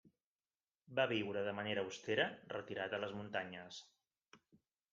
Va viure de manera austera, retirat a les muntanyes.